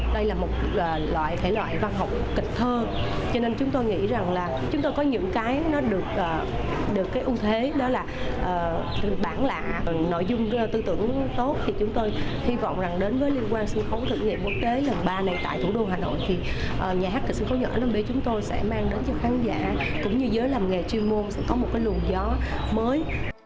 đây là một loại thể loại văn học kịch thơ cho nên chúng tôi nghĩ rằng là chúng tôi có những cái nó được cái ưu thế đó là bản lạ nội dung tư tưởng tốt thì chúng tôi hy vọng rằng đến với liên quan sân khấu thử nghiệm quốc tế lần ba này tại thủ đô hà nội thì nhà hát kịch sân khấu nhỏ năm b chúng tôi sẽ mang đến cho khán giả cũng như giới làm nghề chuyên môn sẽ có một cái lùn gió mới